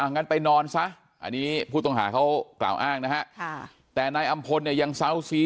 งั้นไปนอนซะอันนี้ผู้ต้องหาเขากล่าวอ้างนะฮะแต่นายอำพลเนี่ยยังเซาซี